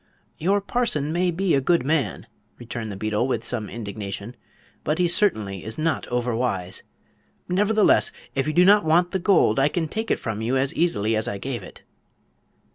"Your parson may be a good man," returned the beetle, with some indignation, "but he certainly is not overwise. Nevertheless, if you do not want the gold I can take it from you as easily as I gave it."